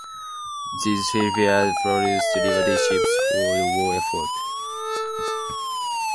These shipyards produced Liberty Ships for the war effort.